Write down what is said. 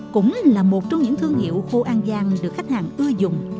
cũng là một trong những thương hiệu khô an giang được khách hàng ưa dùng